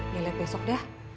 ya liat besok dah